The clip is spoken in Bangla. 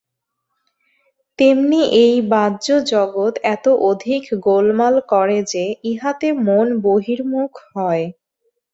তেমনি এই বাহ্য জগৎ এত অধিক গোলমাল করে যে, ইহাতে মন বহির্মুখ হয়।